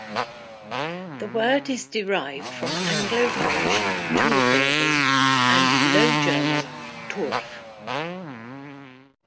The word is derived from Anglo-French "turberie" and Low German, "turf".